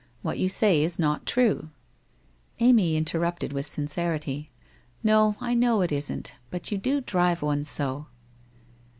What you say is not true/ Amy interrupted, with sincerity :' No, I know it isn't, but you do drive one so.'